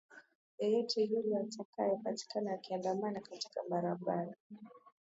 yeyote yule atakaye patikana akiandamana katika barabara